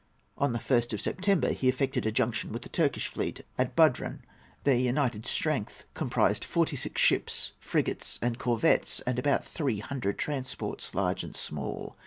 On the 1st of September he effected a junction with the Turkish fleet at Budrun. Their united strength comprised forty six ships, frigates, and corvettes, and about three hundred transports, large and small.